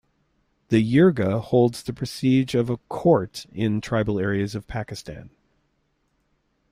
The jirga holds the prestige of a court in the tribal areas of Pakistan.